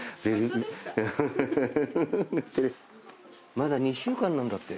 まだ２週間なんだって。